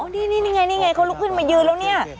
อ๋อนี่เขาลุกขึ้นมายืนแล้วเนี่ย